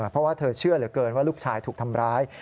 เพราะว่าเธอเชื่อเหลือเกินว่าลูกชายถูกทำร้าย